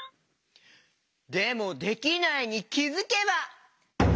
でも「できないに気づけば」？